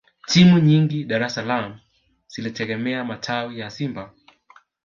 Timu nyingi Dar es salaam zilitegemea matawi ya Simba